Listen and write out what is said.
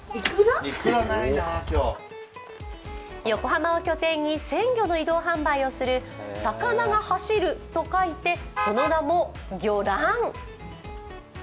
横浜を拠点に鮮魚の移動販売をする魚が走ると書いてその名も魚走。